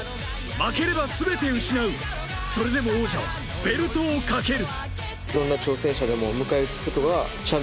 負ければ全て失う、それでも王者はベルトを懸ける。